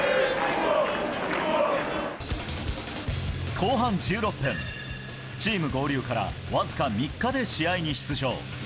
後半１６分チーム合流からわずか３日で試合に出場。